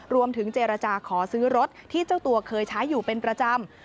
รวมถึงเจรจาขอซื้อรถที่เจ้าตัวเคยใช้อยู่เป็นประจำ